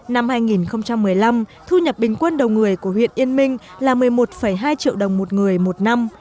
năm hai nghìn một mươi năm thu nhập bình quân đầu người của huyện yên minh là một mươi một hai triệu đồng một người một năm